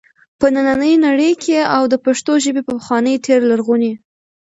په ننی نړۍ کي او د پښتو ژبي په پخواني تیر لرغوني